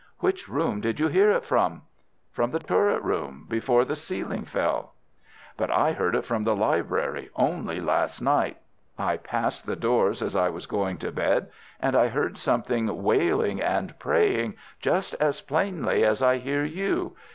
"Which room did you hear it from?" "From the turret room, before the ceiling fell." "But I heard it from the library only last night. I passed the doors as I was going to bed, and I heard something wailing and praying just as plainly as I hear you.